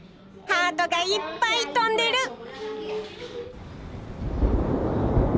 ハートがいっぱい飛んでる。